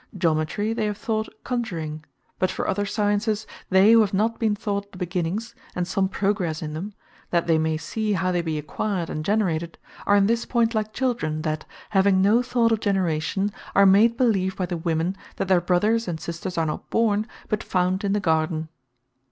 Geometry they have thought Conjuring: but for other Sciences, they who have not been taught the beginnings, and some progresse in them, that they may see how they be acquired and generated, are in this point like children, that having no thought of generation, are made believe by the women, that their brothers and sisters are not born, but found in the garden.